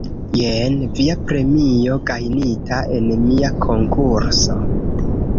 Jen via premio gajnita en mia konkurso